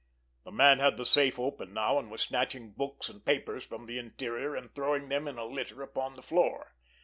The man had the safe open now, and was snatching books and papers from the interior, and throwing them in a litter upon the floor.